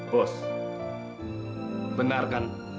pak benar kan